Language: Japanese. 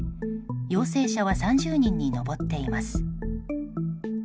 陽性者は３０人に上っています。